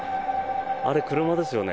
あれ、車ですよね。